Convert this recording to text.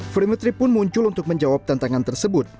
fremetri pun muncul untuk menjawab tantangan tersebut